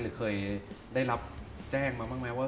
หรือเคยได้รับแจ้งมาบ้างไหมว่า